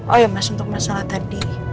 oh ya mas untuk masalah tadi